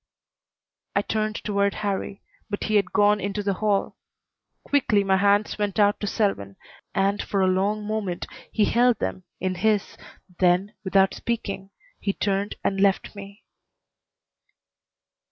I turned toward Harrie, but he had gone into the hall. Quickly my hands went out to Selwyn, and for a long moment he held them in his, then, without speaking, he turned and left me.